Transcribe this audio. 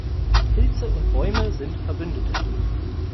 Pilze und Bäume sind Verbündete.